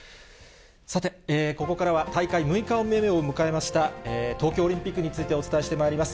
さて、ここからは大会６日目を迎えました、東京オリンピックについてお伝えしてまいります。